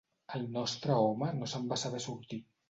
El nostre home no se'n va saber sortir